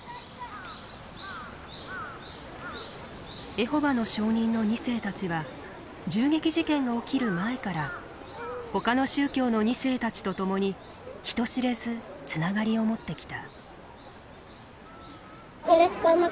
エホバの証人の２世たちは銃撃事件が起きる前からほかの宗教の２世たちと共に人知れずつながりを持ってきた。